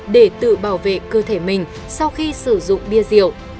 để tự bảo vệ cơ thể mình sau khi sử dụng bia rượu